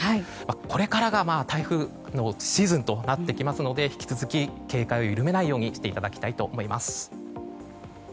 これからが台風のシーズンとなってきますので引き続き警戒を緩めないようにしていただきたいと思います。